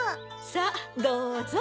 さっどうぞ。